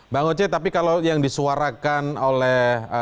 bang oce tapi kalau yang disuarakan oleh